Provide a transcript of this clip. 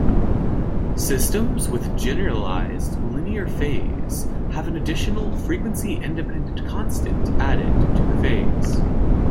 Systems with generalized linear phase have an additional frequency-independent constant added to the phase.